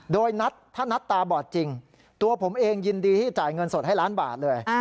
โดยนัดถ้านัดตาบอดจริงตัวผมเองยินดีที่จ่ายเงินสดให้ล้านบาทเลย